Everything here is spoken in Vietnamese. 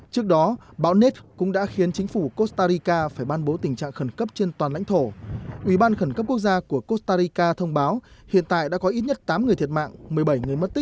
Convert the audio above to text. các tiểu bang alabama florida louisiana và mississippi đã đồng loạt ban bố tình trạng khẩn cấp khi cơn bão ned tiến vào phía nam nước mỹ